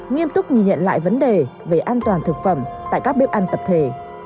nghiêm túc nhìn nhận lại vấn đề về an toàn thực phẩm tại các bếp ăn tập thể